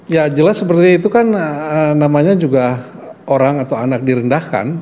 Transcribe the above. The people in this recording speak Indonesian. ya jelas seperti itu kan namanya juga orang atau anak direndahkan